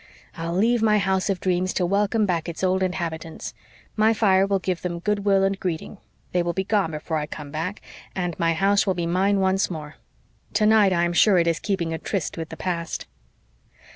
I'll leave my house of dreams to welcome back its old inhabitants. My fire will give them my good will and greeting they will be gone before I come back, and my house will be mine once more. Tonight I am sure it is keeping a tryst with the past."